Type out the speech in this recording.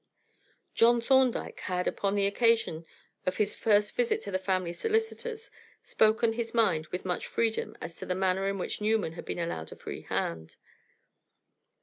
John Thorndyke had upon the occasion, of his first visit to the family solicitors spoken his mind with much freedom as to the manner in which Newman had been allowed a free hand.